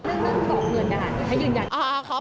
เรื่องนั้นจบเหนือยุ่นนะครับให้ยืนยัง